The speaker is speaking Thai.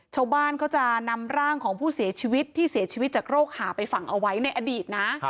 ชาวบ้านเขาจะนำร่างของผู้เสียชีวิตที่เสียชีวิตจากโรคหาไปฝังเอาไว้ในอดีตนะ